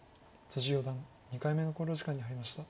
四段２回目の考慮時間に入りました。